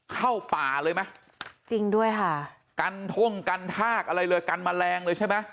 กันท่องกันทากกันแมลง